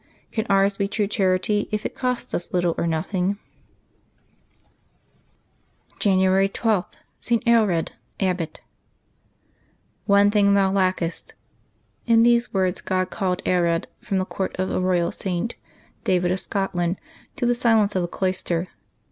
Can ours be true charity if it costs us little or nothing ? January 12.— ST. AELRED, Abbot. /^NE thing thou lackest." In these words God called V^ Aelred from the court of a royal Saint, David of Scotland, to the silence of the cloister.